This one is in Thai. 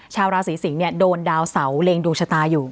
ชาวราศีสิงศ์โดนดาวเสาเล็งดวงชะตาอยู่